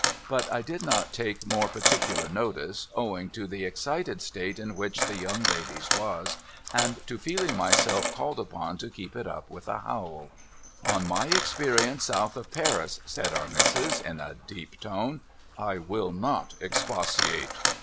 But I did not take more particular notice, owing to the excited state in which the young ladies was, and to feeling myself called upon to keep it up with a howl. 456 MUGBY JUNCTION ' On my experience south of Paris,' said Our Missis, in a deep tone, ' I will not expatiate.